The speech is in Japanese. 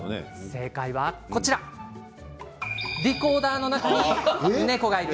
正解はリコーダーの中に猫がいる。